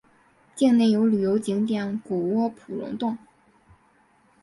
境内有旅游景点谷窝普熔洞。